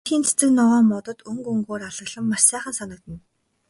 Тэндхийн цэцэг ногоо, модод өнгө өнгөөр алаглан маш сайхан санагдана.